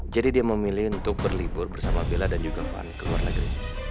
jadi dia memilih untuk berlibur bersama bella dan juga van ke luar negeri